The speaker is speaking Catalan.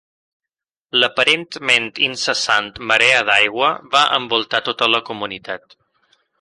L'aparentment incessant marea d'aigua va envoltar tota la comunitat.